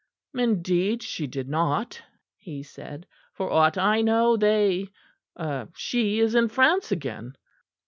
"Indeed she did not," he said. "For aught I know, they she is in France again."